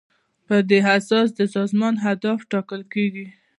په دې اساس د سازمان اهداف ټاکل کیږي.